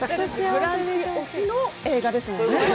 「ブランチ」推しの映画ですものね。